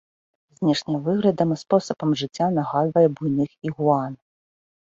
Знешнім выглядам і спосабам жыцця нагадвае буйных ігуан.